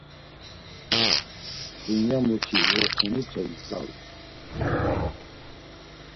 Dunya, muti uoxenute igzalu.